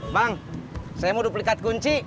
bang saya mau duplikat kunci